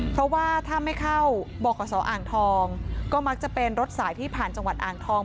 เพราะว่าถ้าไม่เข้าบขอ่างทองก็มักจะเป็นรถสายที่ผ่านจังหวัดอ่างทอง